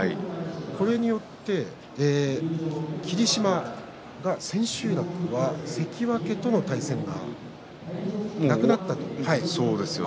これによって、霧島が千秋楽で関脇との対戦がなくなったということですね。